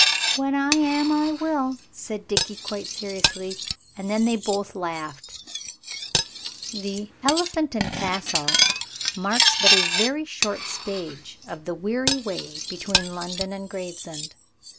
"When I am, I will," said Dickie, quite seriously. And then they both laughed. The "Elephant and Castle" marks but a very short stage of the weary way between London and Gravesend.